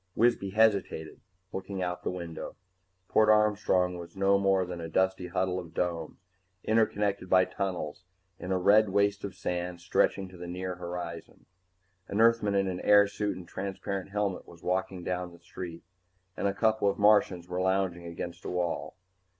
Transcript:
Wisby hesitated, looking out the window. Port Armstrong was no more than a dusty huddle of domes, interconnected by tunnels, in a red waste of sand stretching to the near horizon. An Earthman in airsuit and transparent helmet was walking down the street and a couple of Martians were lounging against a wall.